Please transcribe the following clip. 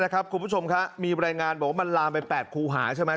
คุณผู้ชมครับมีรายงานบอกว่ามันลามไป๘ครูหาใช่ไหม